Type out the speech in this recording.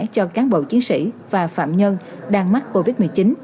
cho cán bộ chiến sĩ và phạm nhân đang mắc covid một mươi chín